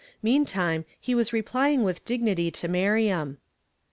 Meantime, he was replying with dignity to Miriam.